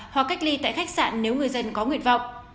hoặc cách ly tại khách sạn nếu người dân có nguyện vọng